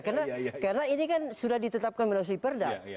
karena ini kan sudah ditetapkan dengan usai perdag